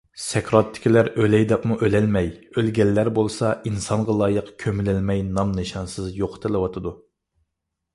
سەكراتتىكىلەر ئۆلەي دەپمۇ ئۆلەلمەي، ئۆلگەنلەر بولسا، ئىنسانغا لايىق كۆمۈلەلمەي نام - نىشانسىز يوقىتىلىۋاتىدۇ.